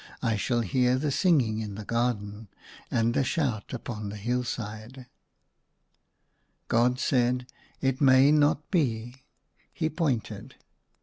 I shall hear the singing in the garden, and the shout upon the hillside " God said, It may not be ;" he pointed.